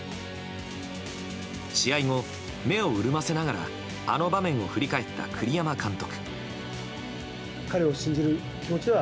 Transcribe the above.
試合後、目を潤ませながらあの場面を振り返った栗山監督。